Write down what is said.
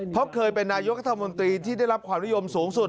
เพราะเคยเป็นนายกรัฐมนตรีที่ได้รับความนิยมสูงสุด